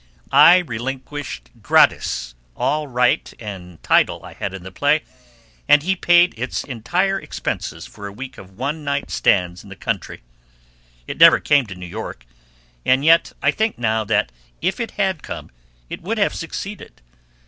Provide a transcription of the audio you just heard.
I relinquished gratis all right and title I had in the play, and he paid its entire expenses for a week of one night stands in the country. It never came to New York; and yet I think now that if it had come, it would have succeeded.